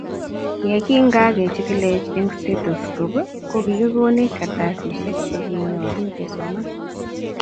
Ye kingakechigilech eng stethoscopit, kokikikonech kartasisyek chekinyolu kesoman.